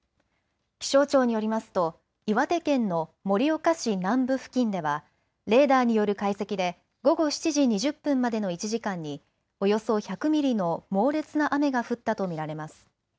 気象庁によりますと岩手県の盛岡市南部付近ではレーダーによる解析で午後７時２０分までの１時間におよそ１００ミリの猛烈な雨が降ったと見られます。